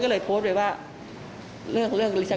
สวัสดีคุณผู้ชายสวัสดีคุณผู้ชาย